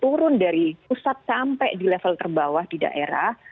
turun dari pusat sampai di level terbawah di daerah